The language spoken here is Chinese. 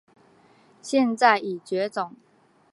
现在已绝种。